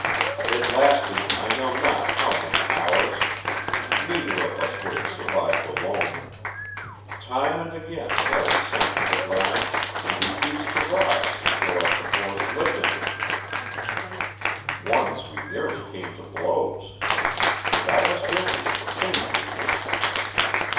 It lasted I know not how many hours. Neither of us would have survived alone. Time and again Harry sank to the ground and refused to rise until I perforce lifted him; once we nearly came to blows. And I was guilty of the same weakness.